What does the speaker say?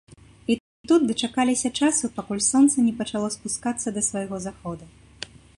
І тут дачакаліся часу, пакуль сонца не пачало спускацца да свайго заходу.